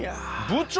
部長！